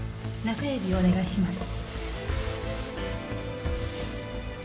中指をお願いします。